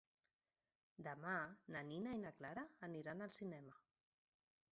Demà na Nina i na Clara aniran al cinema.